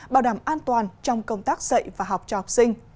bảo đảm an toàn trong công tác dạy và học cho học sinh